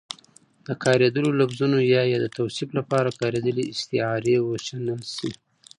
د کارېدلو لفظونو يا يې د توصيف لپاره کارېدلې استعارې وشنل شي